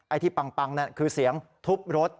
ที่ปังนั่นคือเสียงทุบรถ